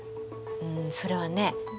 んそれはね